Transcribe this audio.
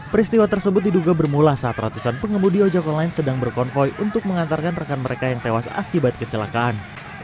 peristiwa tersebut diduga bermula saat ratusan pengemudi ojek online sedang berkonvoy untuk mengantarkan rekan mereka yang tewas akibat kecelakaan